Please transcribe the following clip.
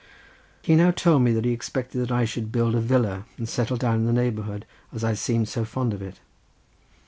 He now told me that he expected that I should build a villa and settle down in the neighbourhood, as I seemed so fond of it.